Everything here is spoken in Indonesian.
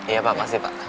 iya pak makasih pak